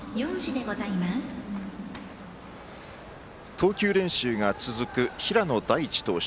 投球練習が続く平野大地投手。